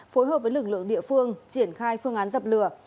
phối hợp với lực lượng địa phương triển khai phương án dập lửa